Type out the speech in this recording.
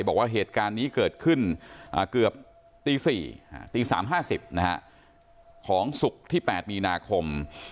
บอกว่าเหตุการณ์นี้เกิดขึ้นเกือบตี๔ตี๓๕๐ของศุกร์ที่๘มีนาคม